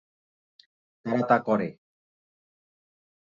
তারা তা করে।